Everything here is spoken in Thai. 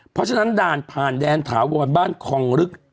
เพราะฉะนั้นด่านผ่านแดนถาวรบ้านคองลึก